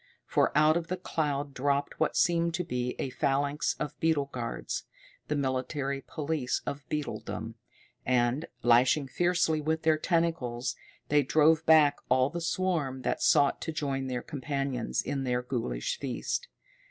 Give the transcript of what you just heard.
For out of the cloud dropped what seemed to be a phalanx of beetle guards, the military police of beetledom, and, lashing fiercely with their tentacles, they drove back all the swarm that sought to join their companions in their ghoulish feast.